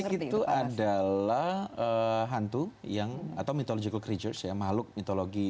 kalau palasik itu adalah hantu atau mythological creatures ya mahluk mitologi